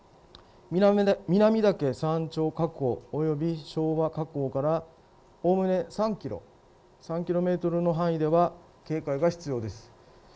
南岳山頂火口および昭和火口からおおむね３キロの範囲では警戒が必要です。